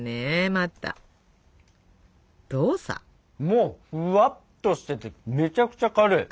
もうふわっとしててめちゃくちゃ軽い。